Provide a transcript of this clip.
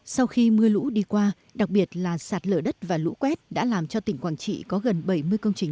sau khi mưa lũ đi qua đặc biệt là sạt lở đất và lũ quét đã làm cho tỉnh quảng trị có gần bảy mươi công trình